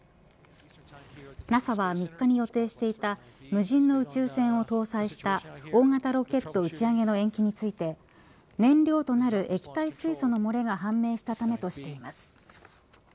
ＮＡＳＡは３日に予定していた無人の宇宙船を搭載した大型ロケット打ち上げの延期について燃料となる液体水素の漏れが判明したためとしています。